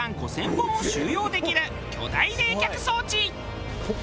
本を収容できる巨大冷却装置。